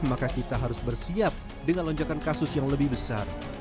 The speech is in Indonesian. maka kita harus bersiap dengan lonjakan kasus yang lebih besar